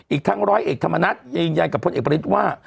อีกทั้ง๑๐๐เอกธรรมนัฐยังยัยกับพลเอกบริษฐ์ว่า